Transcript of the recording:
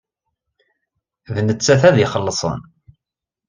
D nettat ad ixellṣen.